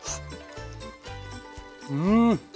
うん！